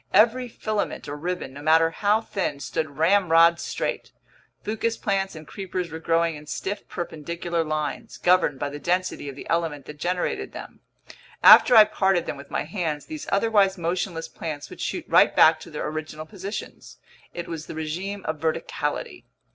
Every filament or ribbon, no matter how thin, stood ramrod straight. Fucus plants and creepers were growing in stiff perpendicular lines, governed by the density of the element that generated them. After I parted them with my hands, these otherwise motionless plants would shoot right back to their original positions. It was the regime of verticality.